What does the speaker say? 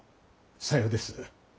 さようです。